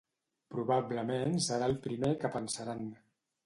Probablement serà el primer que pensaran.